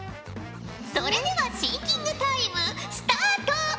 それではシンキングタイムスタート！